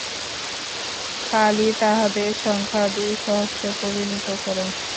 কালই তাহাদের সংখ্যা দুই সহস্রে পরিণতি কর।